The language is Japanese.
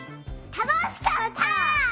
たのしかった！